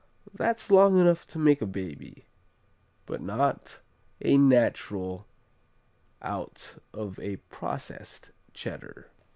That's long enough to make a baby, but not a "natural" out of a processed "Cheddar."